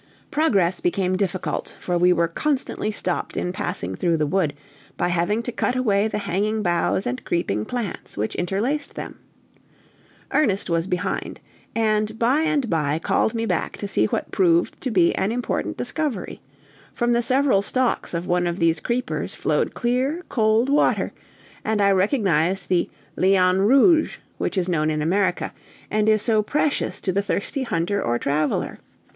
Progress became difficult, for we were constantly stopped in passing through the wood, by having to cut away the hanging boughs and creeping plants which interlaced them. Ernest was behind, and by and by called me back to see what proved to be an important discovery; from the several stalks of one of these creepers flowed clear cold water, and I recognized the "liane rouge," which is known in America, and is so precious to the thirsty hunter or traveler.